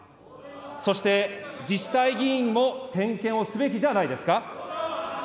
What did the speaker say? そして、自治体議員も点検をすべきじゃないですか。